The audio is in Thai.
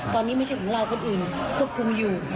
ตอนนี้ไม่ใช่ของเราคนอื่นควบคุมอยู่